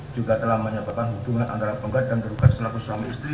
juga telah menyebabkan hubungan antara penggat dan tergugat selaku suami istri